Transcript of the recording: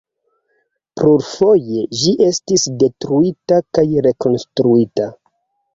Plurfoje ĝi estis detruita kaj rekonstruita.